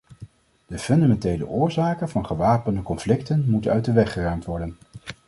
De fundamentele oorzaken van gewapende conflicten moeten uit de weg geruimd worden.